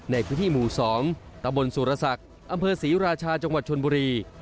ในพื้นที่หมู่๒ตะบนสุรศักดิ์อำเภอศรีราชาจังหวัดชนบุรี